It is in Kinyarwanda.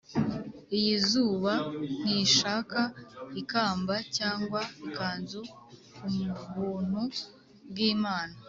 iyi zuba ntishaka ikamba cyangwa ikanzu kubuntu bw'imana.